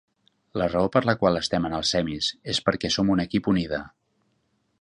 La raó per la qual estem en el Semis és perquè som un equip unida.